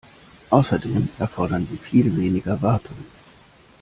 Außerdem erfordern sie viel weniger Wartung.